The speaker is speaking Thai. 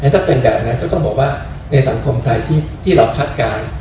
ถ้าเป็นแบบนั้นก็ต้องบอกว่าในสังคมไทยที่เราคาดการณ์